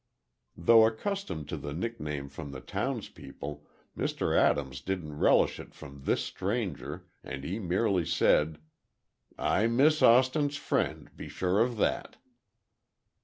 Though accustomed to the nickname from the townspeople, Mr. Adams didn't relish it from this stranger, and he merely said, "I'm Miss Austin's friend, be sure of that."